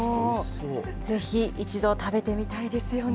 ぜひ一度食べてみたいですよね。